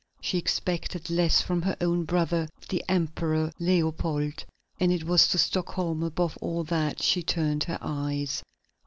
She expected less from her own brother, the Emperor Leopold, and it was to Stockholm above all that she turned her eyes.